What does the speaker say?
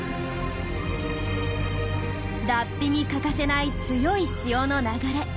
脱皮に欠かせない強い潮の流れ。